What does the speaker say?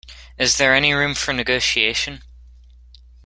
Is there any room for negotiation?